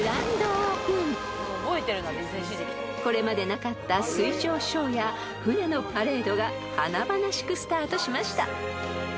［これまでなかった水上ショーや船のパレードが華々しくスタートしました］